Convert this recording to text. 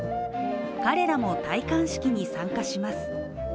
彼らも戴冠式に参加します。